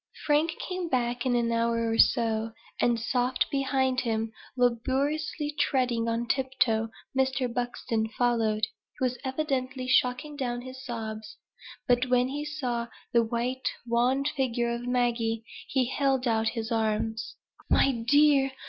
Frank came back in an hour or so; and soft behind him laboriously treading on tiptoe Mr. Buxton followed. He was evidently choking down his sobs; but when he saw the white wan figure of Maggie, he held out his arms. "My dear!